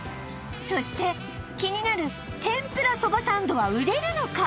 そして気になる天ぷらそばサンドは売れるのか？